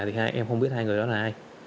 thì hai em không biết hai người đó là ai